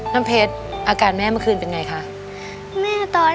น้ำเพชรอาการแม่เมื่อคืนเป็นไงคะ